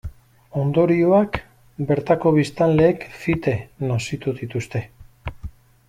Ondorioak bertako biztanleek fite nozitu dituzte.